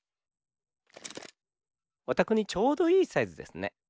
おたくにちょうどいいサイズですね。